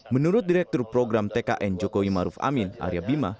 menurut direktur program tkn joko imaruf amin arya bima